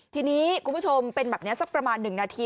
ทีนี้คุณผู้ชมเป็นแบบนี้สักประมาณ๑นาที